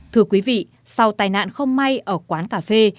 thưa quý vị sau tai nạn không may ở quán cà phê